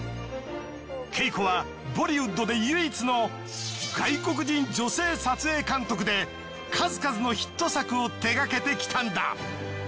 ＫＥＩＫＯはボリウッドで唯一の外国人女性撮影監督で数々のヒット作を手がけてきたんだ。